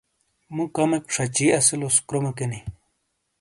مُو کمیک شَچی اسیلوس کرومےکِینی۔